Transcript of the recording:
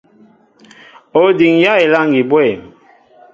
Ó diŋyá elâŋgi bwɛ̂m ?